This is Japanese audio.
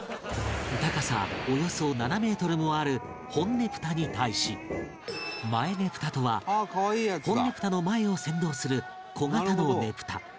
高さおよそ７メートルもある本ねぷたに対し前ねぷたとは本ねぷたの前を先導する小型のねぷた